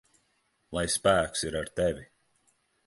Lai spēks ir ar tevi!